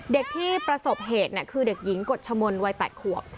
เด็กที่ประสบเหตุคือเด็กหญิงกฎชมนต์วัย๘ขวบ